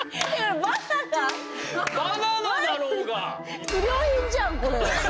バナナだろうが！